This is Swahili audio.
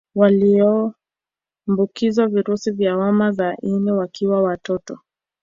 Waliombukizwa virusi vya homa ya ini wakiwa watoto